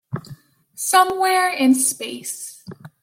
Somewhere in space.